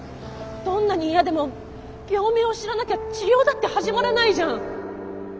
どんなに嫌でも病名を知らなきゃ治療だって始まらないじゃん。